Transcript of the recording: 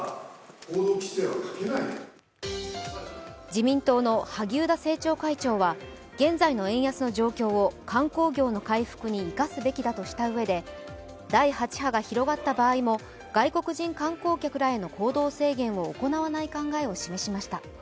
自民党の萩生田政調会長は現在の円安の状況を観光業の回復に生かすべきだとしたうえで第８波が広がった場合も外国人観光客らへの行動制限を行わない考えを示しました。